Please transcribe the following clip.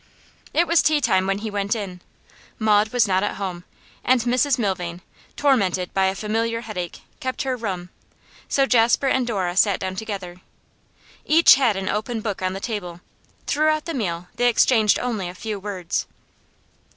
It was tea time when he went in. Maud was not at home, and Mrs Milvain, tormented by a familiar headache, kept her room; so Jasper and Dora sat down together. Each had an open book on the table; throughout the meal they exchanged only a few words.